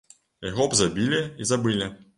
Яго б забілі і забылі.